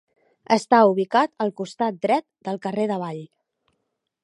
Està ubicat al costat dret del carrer d'Avall.